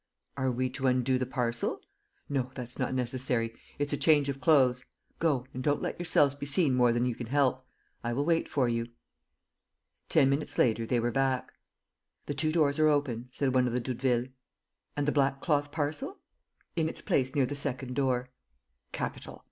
"Are we to undo the parcel?" "No, that's not necessary. It's a change of clothes. Go; and don't let yourselves be seen more than you can help. I will wait for you." Ten minutes later, they were back: "The two doors are open," said one of the Doudevilles. "And the black cloth parcel?" "In its place near the second door." "Capital!